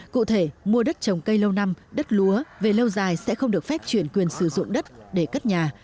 cụ thể mua đất trồng cây lâu năm đất lúa về lâu dài sẽ không được phép chuyển quyền sử dụng đất để cất nhà